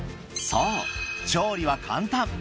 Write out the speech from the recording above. そう調理は簡単。